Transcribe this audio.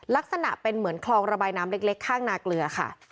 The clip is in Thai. ลักษณะเป็นเหมือนคลองระบายน้ำเล็กข้างนาเกลือค่ะ